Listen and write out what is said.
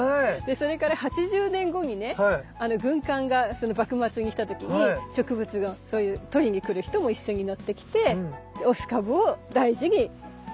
それから８０年後にね軍艦が幕末に来た時に植物を取りにくる人も一緒に乗ってきてオス株を大事に持って帰って。